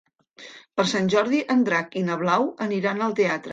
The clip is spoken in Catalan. Per Sant Jordi en Drac i na Blau aniran al teatre.